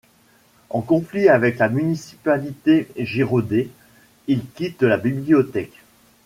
En conflit avec la municipalité Girodet, il quitte la bibliothèque.